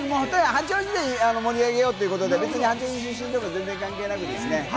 八王子で盛り上げようということで、別に八王子出身とか関係ないです。